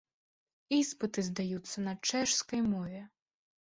Іспыты здаюцца на чэшскай мове.